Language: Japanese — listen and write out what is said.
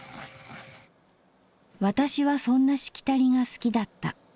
「私はそんなしきたりが好きだった。